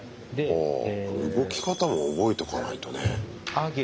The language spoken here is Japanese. ほう動き方も覚えとかないとね。